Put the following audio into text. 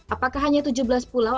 apakah hanya tujuh belas pulau